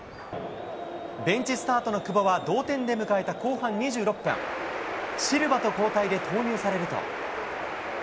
ベンチスタートの久保は、同点で迎えた後半２６分、シルバと交代で投入されると。